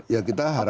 ya kita harap